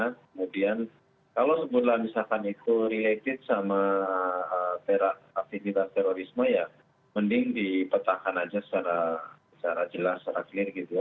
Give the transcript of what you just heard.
kemudian kalau sebulan misalkan itu related sama aktivitas terorisme ya mending dipetakan aja secara jelas secara clear gitu ya